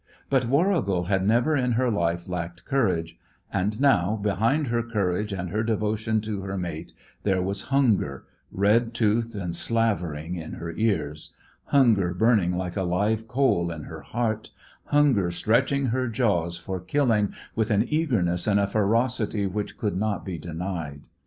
But Warrigal had never in her life lacked courage, and now, behind her courage and her devotion to her mate, there was hunger, red toothed and slavering in her ears; hunger burning like a live coal in her heart; hunger stretching her jaws for killing, with an eagerness and a ferocity which could not be denied.